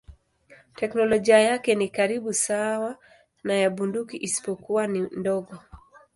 Teknolojia yake ni karibu sawa na ya bunduki isipokuwa ni ndogo.